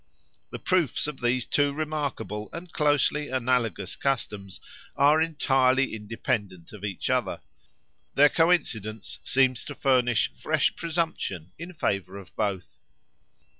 The proofs of these two remarkable and closely analogous customs are entirely independent of each other. Their coincidence seems to furnish fresh presumption in favour of both.